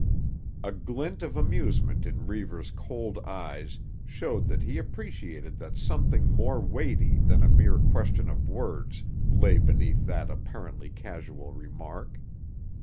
A glint of amusement in Reivers' cold eyes showed that he appreciated that something more weighty than a mere question of words lay beneath that apparently casual remark.